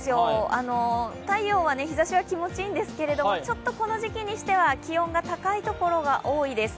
太陽、日ざしは気持ちいいんですけどちょっとこの時期にしては気温が高い所が多いです。